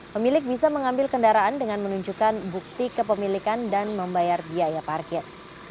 pemilik bisa mengambil kendaraan dengan menunjukkan bukti kepemilikan dan membayar biaya parkir